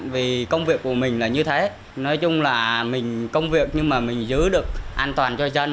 vì công việc của mình là như thế nói chung là mình công việc nhưng mà mình giữ được an toàn cho dân